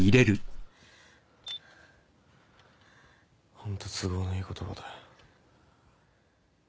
ホント都合のいい言葉だよ。